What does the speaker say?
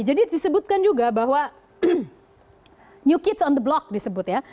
jadi disebutkan juga bahwa new kids on the block disebut ya